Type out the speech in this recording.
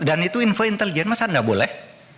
dan itu info intelijen masa gak boleh